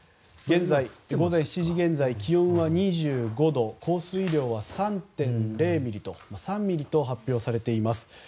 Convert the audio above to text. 午前７時現在気温は２５度降水量は３ミリと発表されています。